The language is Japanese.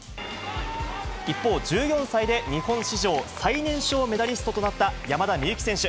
一方、１４歳で日本史上最年少メダリストとなった山田美幸選手。